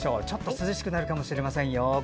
涼しくなるかもしれませんよ。